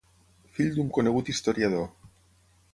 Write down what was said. Fill d'un conegut historiador.